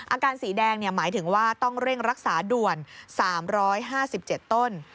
สีแดงหมายถึงว่าต้องเร่งรักษาด่วน๓๕๗ต้น